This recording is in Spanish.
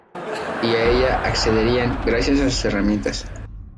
Y a ella accederían gracias a sus herramientas.